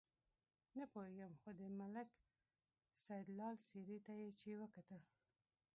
نه پوهېږم خو د ملک سیدلال څېرې ته چې وکتل.